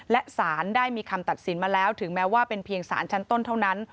และสารได้มีคำตัดสินมาแล้วถึงแม้ว่าเป็นเพียงสารชั้นต้นเท่านั้น